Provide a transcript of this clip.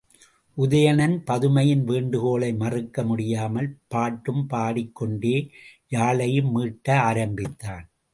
உதயணன் பதுமையின் வேண்டுகோளை மறுக்க முடியாமல் பாட்டுப் பாடிக்கொண்டே யாழையும் மீட்ட ஆரம்பித்தான்.